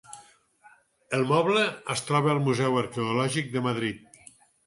El moble es troba al Museu Arqueològic de Madrid.